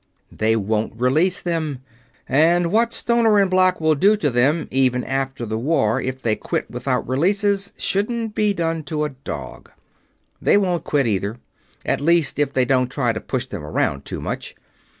"They won't release them; and what Stoner and Black will do to them, even after the war, if they quit without releases, shouldn't be done to a dog. They won't quit, either at least if they don't try to push them around too much.